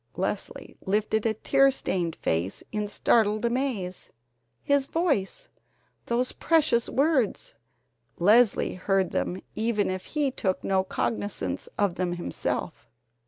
Leslie lifted a tear stained face in startled amaze. His voice! Those precious words! Leslie heard them even if he took no cognizance of them himself.